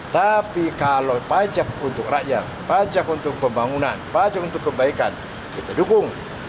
tapi kalau pajak untuk rakyat pajak untuk pembangunan pajak untuk kebaikan kita dukung